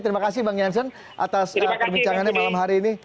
terima kasih bang jansen atas perbincangannya malam hari ini